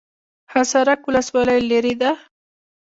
حصارک ولسوالۍ لیرې ده؟